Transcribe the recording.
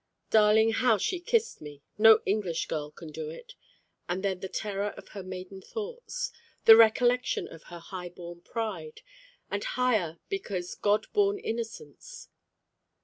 Darling, how she kissed me! No English girl can do it. And then the terror of her maiden thoughts. The recollection of her high born pride, and higher because God born innocence.